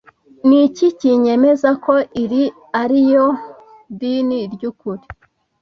Ni iki kinyemeza ko iri ari ryo dini ry ukuri